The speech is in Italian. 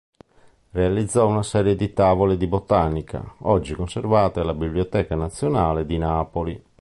Realizzò una serie di tavole di botanica, oggi conservate alla Biblioteca Nazionale di Napoli.